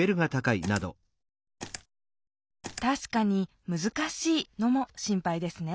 たしかに「難しい」のも心配ですね